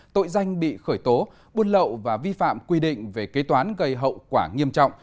tội danh bị khởi tố buôn lậu và vi phạm quy định về kế toán gây hậu quả nghiêm trọng